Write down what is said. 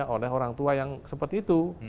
bisa di kalahkan hanya orang tua yang seperti itu